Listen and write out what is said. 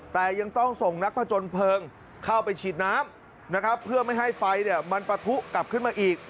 แต่ยังต้องส่งนักผจญเพลิงเข้าไปฉีดน้ำนะครับเพื่อไม่ให้ไฟมันปะทุกลับขึ้นมาอีก